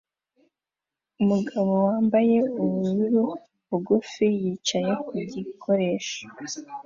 Umugabo wambaye ubururu bugufi yicaye ku gikoresho